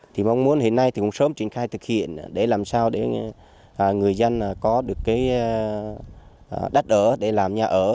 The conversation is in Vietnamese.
thì mong muốn hiện nay thì cũng sớm triển khai thực hiện để làm sao để người dân có được cái đất ở để làm nhà ở